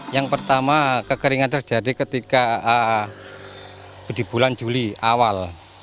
yang pertama kekeringan terjadi ketika di bulan juli awal